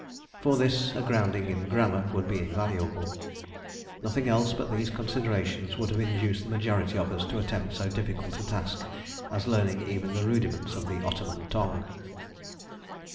For this a grounding in grammar would be invaluable. Nothing else but these considerations would have induced the majority of us to attempt so difficult a task as learning even the rudiments of the Ottoman tongue.